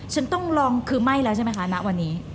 ฉันต้องลองคือไม่แล้วใช่ไหมคะณวันนี้